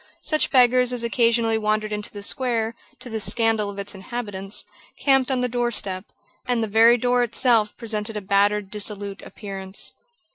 Such beggars as occasionally wandered into the square, to the scandal of its inhabitants, camped on the doorstep; and the very door itself presented a battered, dissolute appearance.